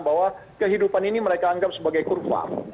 bahwa kehidupan ini mereka anggap sebagai kurva